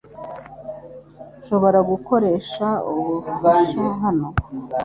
Nshobora gukoresha ubufasha hano .